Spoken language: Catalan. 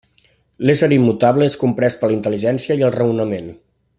L'ésser immutable és comprès per la intel·ligència i el raonament.